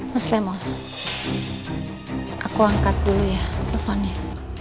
mas lemos aku angkat dulu ya teleponnya